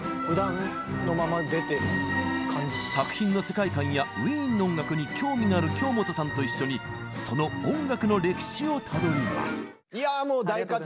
作品の世界観やウィーンの音楽に興味がある京本さんと一緒にその音楽の歴史をたどります。